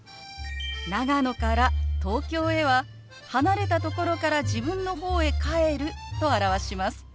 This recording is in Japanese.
長野から東京へは離れたところから自分の方へ「帰る」と表します。